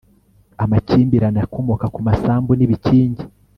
amakimbirane akomoka ku masambu n'ibikingi